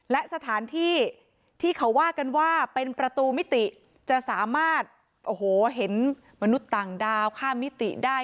และสถานที่ที่เขาว่ากันว่าเป็นประตูมิติจะสามารถโอ้โหเห็นมนุษย์ต่างดาวข้ามมิติได้